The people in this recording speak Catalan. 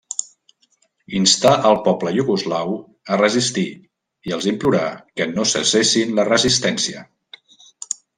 Instà al poble iugoslau a resistir i els implorà que no cessessin la resistència.